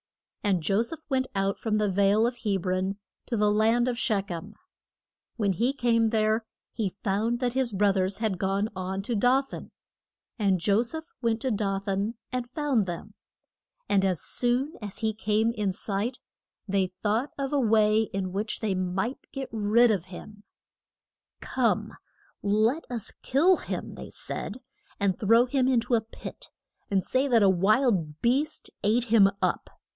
And Jo seph went out from the vale of Heb ron to the land of Shech em. When he came there he found that his broth ers had gone on to Do than. And Jo seph went to Do than and found them. And as soon as he came in sight they thought of a way in which they might get rid of him. [Illustration: SHECH EM, THE FIRST CAP I TAL OF THE KING DOM OF IS RAEL.] Come, let us kill him, they said; and throw him in to a pit, and say that a wild beast ate him up.